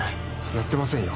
やってませんよ。